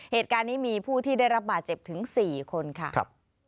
เหตุการณ์นี้มีผู้ที่ได้รับบาดเจ็บถึง๔คนค่ะ